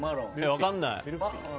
分かんない。